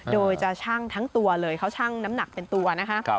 โดยจะชั่งทั้งตัวเลยเขาชั่งน้ำหนักเป็นตัวนะคะ